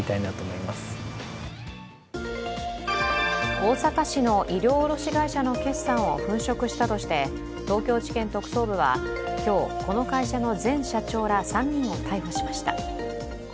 大阪市の衣料卸会社の決算を粉飾したとして東京地検特捜部はこの会社の前社長ら３人を逮捕しました。